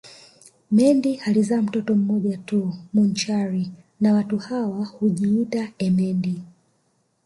Mendi alizaa mtoto mmoja tu Munchari na watu hawa hujiitia emendi